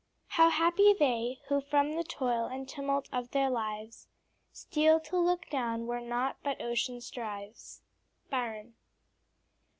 "How happy they Who, from the toil and tumult of their lives, Steal to look down where nought but ocean strives." _Byron.